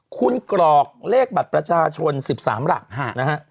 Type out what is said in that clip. คุณกรอกเลขบัตรประชาชน๑๓หลักนะฮะ